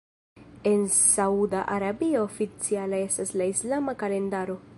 En Sauda Arabio oficiala estas la islama kalendaro.